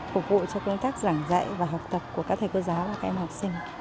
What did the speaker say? phục vụ cho công tác giảng dạy và học tập của các thầy cô giáo và các em học sinh